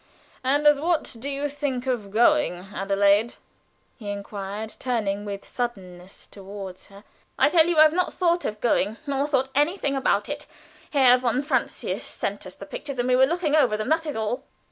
Ha! And as what do you think of going, Adelaide?" he inquired, turning with suddenness toward her. "I tell you I had not thought of going nor thought anything about it. Herr von Francius sent us the pictures, and we were looking over them. That is all."